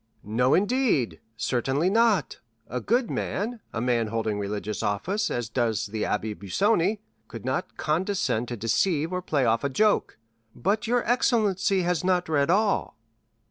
"No, indeed; certainly not; a good man, a man holding religious office, as does the Abbé Busoni, could not condescend to deceive or play off a joke; but your excellency has not read all."